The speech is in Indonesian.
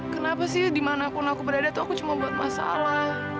kenapa sih dimanapun aku berada tuh aku cuma buat masalah